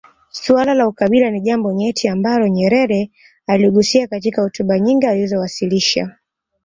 Suala la ukabila ni jambo nyeti ambalo nyerere aligusia katika hotuba nyingi alizowasilisha